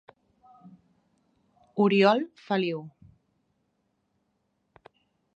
Oriol Feliu.